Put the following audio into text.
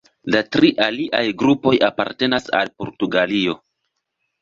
La tri aliaj grupoj apartenas al Portugalio.